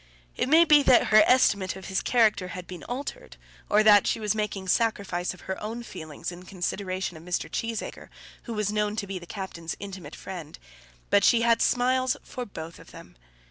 It may be that her estimate of his character had been altered, or that she was making sacrifice of her own feelings in consideration of Mr. Cheesacre, who was known to be the captain's intimate friend. But she had smiles for both of them.